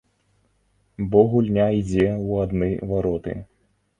Бо гульня ідзе ў адны вароты.